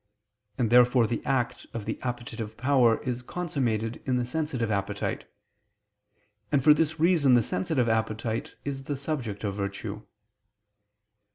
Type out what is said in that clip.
And therefore the act of the appetitive power is consummated in the sensitive appetite: and for this reason the sensitive appetite is the subject of virtue.